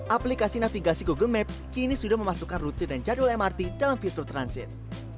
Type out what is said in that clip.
aplikasi navigasi google maps kini sudah memasukkan rute dan jadwal mrt dalam fitur transit